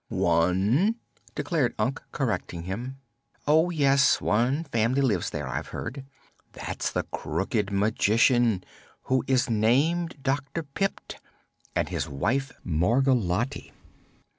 "One," declared Unc, correcting him. "Oh, yes; one family lives there, I've heard. That's the Crooked Magician, who is named Dr. Pipt, and his wife Margolotte.